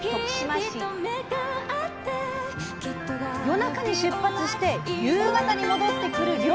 夜中に出発して夕方に戻ってくる漁。